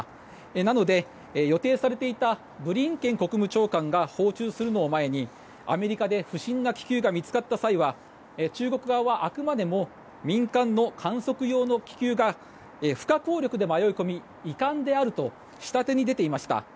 なので予定されていたブリンケン国務長官が訪中するのを前にアメリカで不審な気球が見つかった際は中国側はあくまでも民間の観測用の気球が不可抗力で迷い込み遺憾であると下手に出ていました。